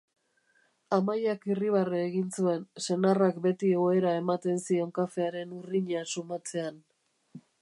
Amaiak irribarre egin zuen senarrak beti ohera ematen zion kafearen urrina sumatzean.